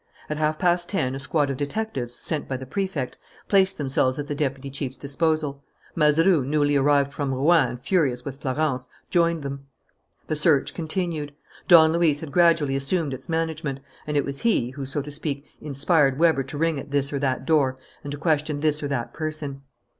At half past ten a squad of detectives, sent by the Prefect, placed themselves at the deputy chief's disposal. Mazeroux, newly arrived from Rouen and furious with Florence, joined them. The search continued. Don Luis had gradually assumed its management; and it was he who, so to speak, inspired Weber to ring at this or that door and to question this or that person.